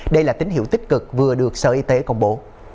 đây là tín hiệu tích cực vừa được sở y tế công bố